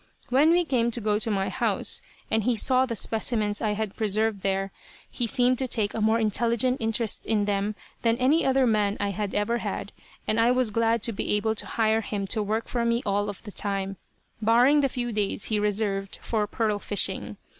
When we came to go to my house, and he saw the specimens I had preserved there, he seemed to take a more intelligent interest in them than any other man I had ever had, and I was glad to be able to hire him to work for me all of the time, barring the few days he reserved for pearl fishing.